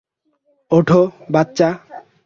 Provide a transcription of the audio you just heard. ওঠো, বাচ্চা।